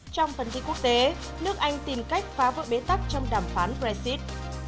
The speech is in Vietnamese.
trong phần tin quốc tế nước anh tìm cách phá vỡ bế tắc trong đàm phán brexit